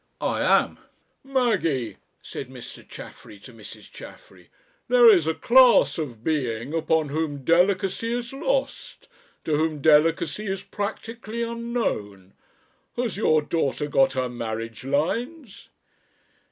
"I am." "Maggie," said Mr. Chaffery to Mrs. Chaffery, "there is a class of being upon whom delicacy is lost to whom delicacy is practically unknown. Has your daughter got her marriage lines?"